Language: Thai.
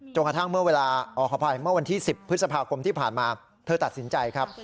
กระทั่งเมื่อเวลาขออภัยเมื่อวันที่๑๐พฤษภาคมที่ผ่านมาเธอตัดสินใจครับ